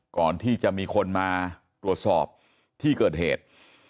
ก่อนที่จะมีคนมาตรวจสอบที่เกิดเหตุ